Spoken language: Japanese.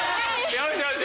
よしよし！